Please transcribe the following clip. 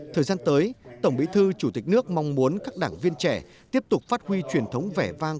thời gian tới tổng bí thư chủ tịch nước mong muốn các đảng viên trẻ tiếp tục phát huy truyền thống vẻ vang